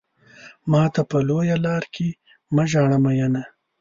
ماته په لويه لار کې مه ژاړه مينه.